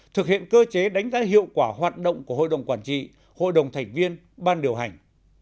thực hiện cơ chế đánh giá hiệu quả hoạt động của hội đồng quản trị hội đồng thành viên ban điều hành